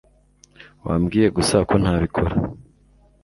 Wambwiye gusa ko ntabikora